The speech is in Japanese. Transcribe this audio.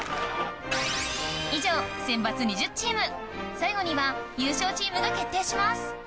以上最後には優勝チームが決定します